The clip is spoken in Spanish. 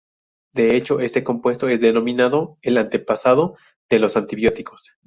De hecho este compuesto es denominado "el antepasado de los antibióticos".